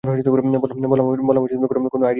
বললাম, কোন আইডিয়া নেই মানে কী।